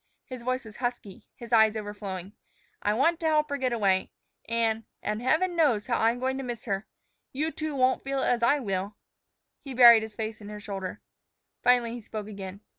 His voice was husky, his eyes overflowing. "I want to help her get away. An' an' Heaven knows how I am going to miss her. You two'll not feel it as I will." He buried his face in her shoulder. Finally he spoke again.